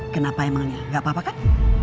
kenapa emangnya gak apa apa kan